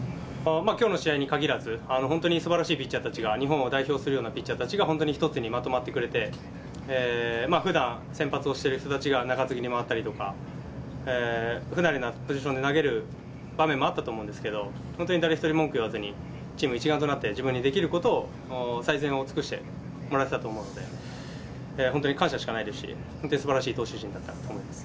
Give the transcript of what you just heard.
きょうの試合にかぎらず、本当にすばらしいピッチャーたちが、日本を代表するようなピッチャーたちが本当に一つにまとまってくれて、ふだん、先発をしている人たちが中継ぎに回ったりとか、不慣れなポジションで投げる場面もあったと思うんですけど、本当に誰一人文句を言わずに、チーム一丸となって自分にできることを、最善を尽くしてもらってたと思うので、本当に感謝しかないですし、本当にすばらしい投手陣だったと思います。